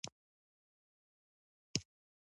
د جولای په څلورمه یې د خپلواکۍ اعلان وکړ.